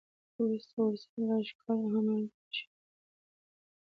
وروسته ورسره ښکلا هم ملګرې شوې ده.